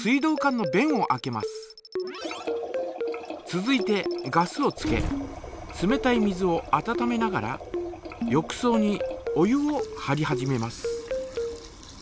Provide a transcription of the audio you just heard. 続いてガスをつけ冷たい水を温めながら浴そうにお湯をはり始めます。